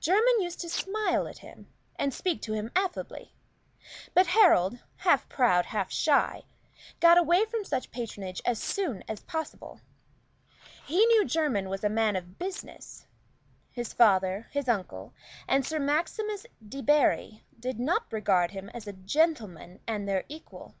Jermyn used to smile at him, and speak to him affably; but Harold, half proud, half shy, got away from such patronage as soon as possible; he knew Jermyn was a man of business; his father, his uncle, and Sir Maximus Debarry did not regard him as a gentleman and their equal.